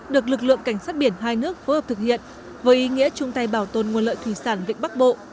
được lực lượng cảnh sát biển hai nước phối hợp thực hiện với ý nghĩa chung tay bảo tồn nguồn lợi thủy sản vịnh bắc bộ